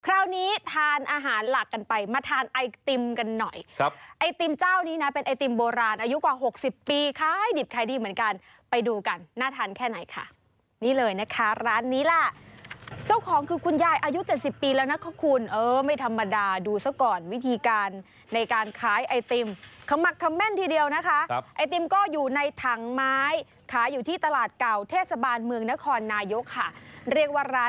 คราวนี้ทานอาหารหลักกันไปมาทานไอติมกันหน่อยครับไอติมเจ้านี้น่ะเป็นไอติมโบราณอายุกว่าหกสิบปีค่ะให้ดิบค่ะดีเหมือนกันไปดูกันน่าทานแค่ไหนค่ะนี่เลยนะคะร้านนี้ล่ะเจ้าของคือคุณยายอายุเจ็ดสิบปีแล้วน่ะขอบคุณเออไม่ธรรมดาดูซะก่อนวิธีการในการขายไอติมขมักคำแม่นทีเดียวนะคะครับไอ